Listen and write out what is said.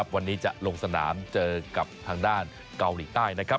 วันนี้จะลงสนามเจอกับทางด้านเกาหลีใต้นะครับ